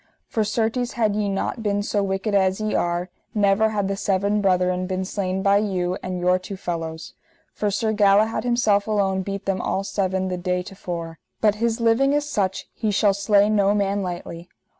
For certes had ye not been so wicked as ye are, never had the seven brethren been slain by you and your two fellows. For Sir Galahad himself alone beat them all seven the day to fore, but his living is such he shall slay no man lightly.